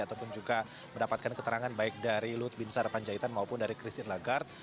ataupun juga mendapatkan keterangan baik dari lut bin sarpanjaitan maupun dari christine lagarde